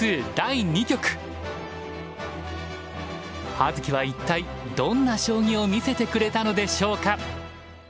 葉月は一体どんな将棋を見せてくれたのでしょうか？